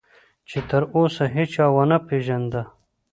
چې تراوسه هیچا ونه پېژانده.